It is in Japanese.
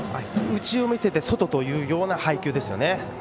内を見せて外という配球ですね。